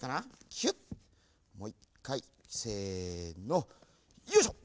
もういっかいせのよいしょ！